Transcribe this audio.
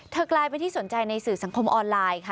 กลายเป็นที่สนใจในสื่อสังคมออนไลน์ค่ะ